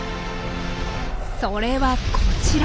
それはこちら。